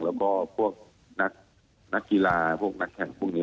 แล้วก็พวกนักกีฬาพวกนักแข่งพวกนี้